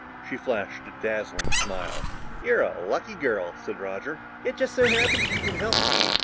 She flashed a dazzling smile. "You're a lucky girl," said Roger. "It just so happens you can help me.